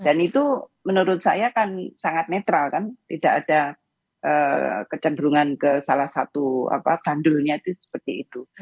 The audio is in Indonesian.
dan itu menurut saya kan sangat netral kan tidak ada kecenderungan ke salah satu bandulnya itu seperti itu